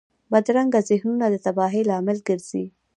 بدرنګه ذهنونه د تباهۍ لامل ګرځي